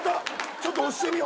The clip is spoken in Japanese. ちょっと押してみよう。